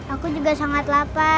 aku juga sangat lapar